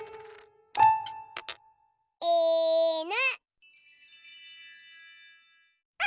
いぬ。